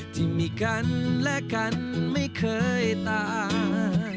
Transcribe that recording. ที่มีกันและกันไม่เคยตาย